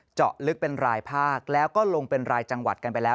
เจาะลึกเป็นรายภาคแล้วก็ลงเป็นรายจังหวัดกันไปแล้ว